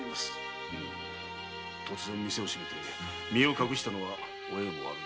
うん突然店を閉めて身を隠したのはお栄も悪い。